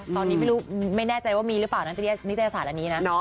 ตอนนี้ไม่รู้ไม่แน่ใจว่ามีหรือเปล่านะนิตยศาสตร์อันนี้นะ